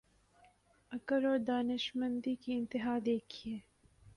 عقل اور دانشمندی کی انتہا دیکھیے۔